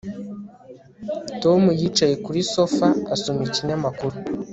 Tom yicaye kuri sofa asoma ikinyamakuru